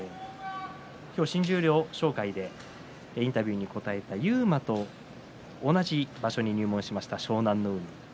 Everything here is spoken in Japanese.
新十両紹介でインタビューに応えた勇磨と同じ場所に入門しました湘南乃海です。